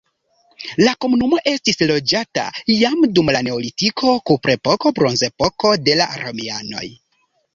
La komunumo estis loĝata jam dum la neolitiko, kuprepoko, bronzepoko, de la romianoj.